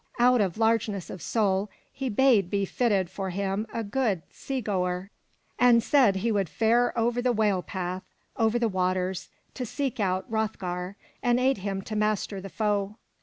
Out of largeness of soul he bade be fitted for him a good sea goer, and said he would fare over the whale path, over the waters, to seek out Hroth' gar, and aid him to master the foe.